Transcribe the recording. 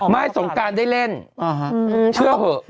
สงการได้เล่นเชื่อเถอะ